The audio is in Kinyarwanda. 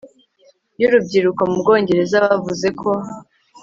yurubyiruko mu Bwongereza bavuze ko